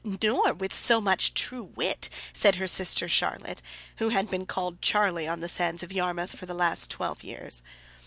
"Nor with so much true wit," said her sister Charlotte, who had been called Charlie on the sands of Yarmouth for the last twelve years.